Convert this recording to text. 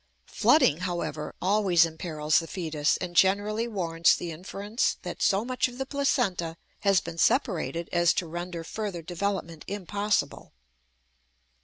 Flooding, however, always imperils the fetus, and generally warrants the inference that so much of the placenta has been separated as to render further development impossible.